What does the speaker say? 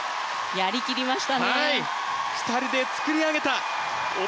やり切りました。